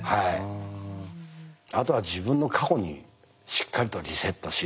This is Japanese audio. あとは自分の過去にしっかりとリセットし。